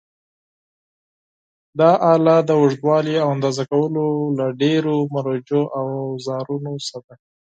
دا آله د اوږدوالي د اندازه کولو له ډېرو مروجو اوزارونو څخه ده.